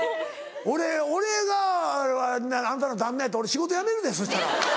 俺があんたの旦那やったら俺仕事辞めるでそしたら。